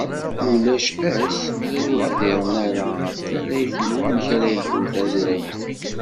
Ulac ass ur hdiren ara ɣef tarrayt d wamek ara yexdem tazrawt.